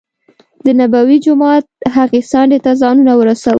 دنبوي جومات هغې څنډې ته ځانونه ورسو.